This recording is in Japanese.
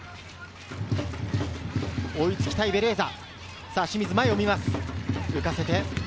追いつきたいベレーザ。